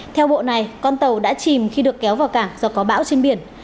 theo bộ này con tàu đã chìm khi được kéo vào cảng do có bão trên biển